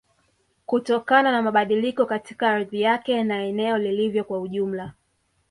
Kutokana na mabadiliko katika ardhi yake na eneo lilivyo kwa ujumla